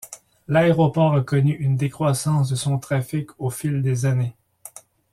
L'aéroport a connu une décroissance de son trafic au fil des années.